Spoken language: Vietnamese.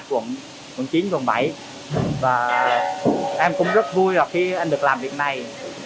và em cũng rất vui là khi em được làm việc này